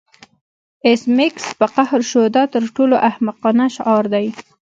ایس میکس په قهر شو دا تر ټولو احمقانه شعار دی